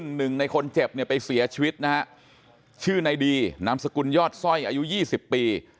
หนึ่งในคนเจ็บเนี่ยไปเสียชีวิตนะฮะชื่อในดีนามสกุลยอดสร้อยอายุ๒๐ปี